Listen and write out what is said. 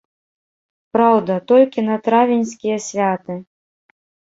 Праўда, толькі на травеньскія святы.